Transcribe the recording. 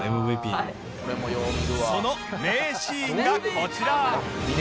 その名シーンがこちら